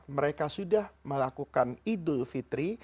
mereka sudah melakukan idul fitri